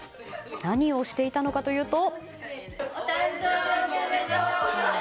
何をしていたのかというと。